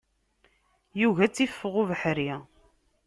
Yugi ad tt-iffeɣ ubeḥri.